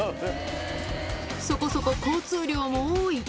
そこそこ交通量も多い。